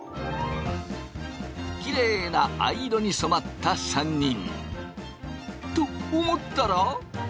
きれいな藍色に染まった３人。と思ったら？